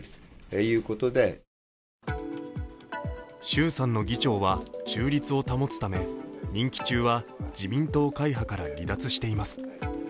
衆参の議長は中立を保つため任期中は自民党会派から離脱しています。